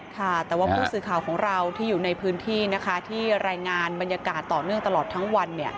ค่ะแต่ว่าผู้สื่อข่าวของเราที่อยู่ในพื้นที่นะคะที่รายงานบรรยากาศต่อเนื่องตลอดทั้งวัน